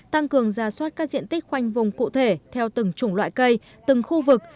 tăng cường ra soát các diện tích khoanh vùng cụ thể theo từng chủng loại cây từng khu vực